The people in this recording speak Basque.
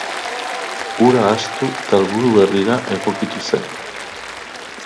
Hura ahaztu eta helburu berrira egokitu zen.